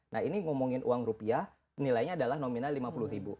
nah ini ngomongin uang rupiah nilainya adalah nominal rp lima puluh ribu